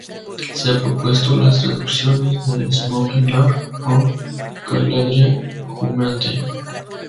Se han propuesto las traducciones de "Smoking Lark" o "Calandria Humeante".